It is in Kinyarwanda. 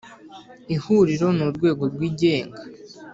Ihuriro ni urwego rwigenga